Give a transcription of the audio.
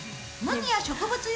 麦や植物